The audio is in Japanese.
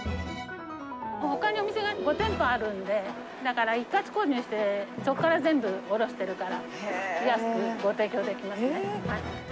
ほかにお店が５店舗あるんで、だから一括購入して、そこから全部卸してるから、安くご提供できますね。